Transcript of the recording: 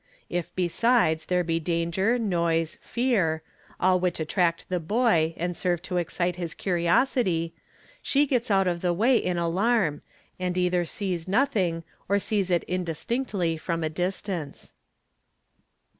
If besides there | be danger, noise, fear, all which attract the boy and serve to excite his _ curiosity, she gets out of the way in alarm, and either sees nothing or sees it indistinctly from a distance.